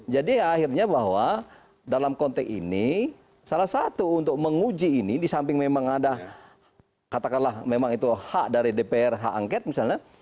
jadi akhirnya bahwa dalam konteks ini salah satu untuk menguji ini disamping memang ada katakanlah memang itu hak dari dprh angket misalnya